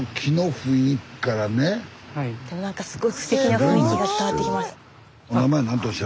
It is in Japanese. スタジオすごいステキな雰囲気が伝わってきます。